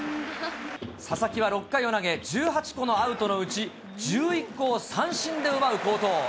佐々木は６回を投げ、１８個のアウトのうち、１１個を三振で奪う好投。